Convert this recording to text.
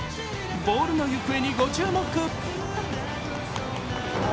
ボールの行方にご注目。